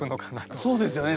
そうですよね